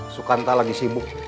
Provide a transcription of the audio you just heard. sukanta lagi sibuk